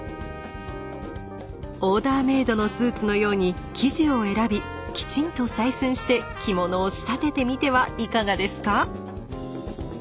オーダーメードのスーツのように生地を選びきちんと採寸して着物を仕立ててみてはいかがですか？